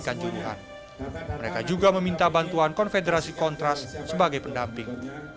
kanjuruhan mereka juga meminta bantuan konfederasi kontras sebagai pendamping